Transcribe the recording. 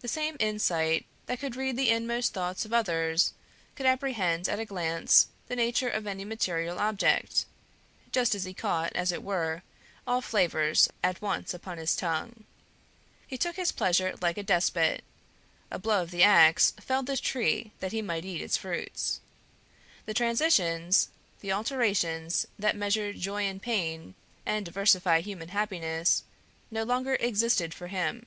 The same insight that could read the inmost thoughts of others, could apprehend at a glance the nature of any material object, just as he caught as it were all flavors at once upon his tongue. He took his pleasure like a despot; a blow of the ax felled the tree that he might eat its fruits. The transitions, the alternations that measure joy and pain, and diversify human happiness, no longer existed for him.